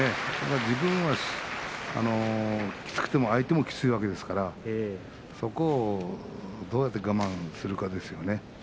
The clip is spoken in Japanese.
自分がきつくて相手もきついわけですからそこをどうやって我慢するかですね。